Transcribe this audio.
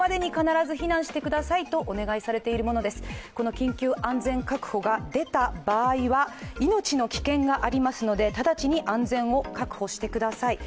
緊急安全確保が出た場合は、命の危険がありますので、直ちに安全を確保してください。